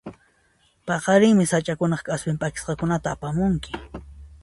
Paqarinmi sach'akunaq k'aspin p'akisqakunata apamunki.